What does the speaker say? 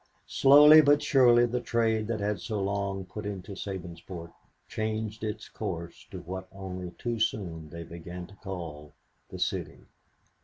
Slowly but surely the trade that had so long put into Sabinsport changed its course to what only too soon they began to call the City.